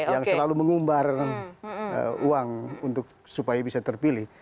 yang selalu mengumbar uang supaya bisa terpilih